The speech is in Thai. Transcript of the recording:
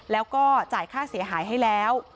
แล้วก็จ่ายค่าเสียหายให้แล้ว